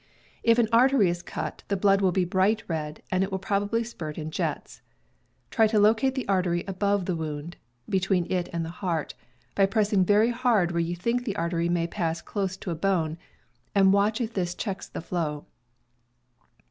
If an artery is cut, the blood will be bright red, and it will probably spurt in jets. Try to locate the artery above the wound (between it and the heart) by pressing very hard where you think the artery may pass close to a bone, and watch if this checks the flow.